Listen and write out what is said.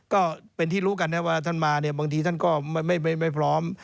ก็เป็นที่รู้กันนะว่าท่านมาเนี่ยบางทีท่านก็ไม่พร้อม